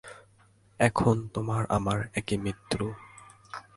এখন তোমার আমার একই মৃত্যু।